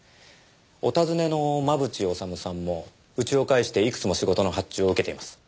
お尋ねの真渕治さんもうちを介していくつも仕事の発注を受けています。